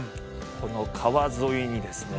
この川沿いにですね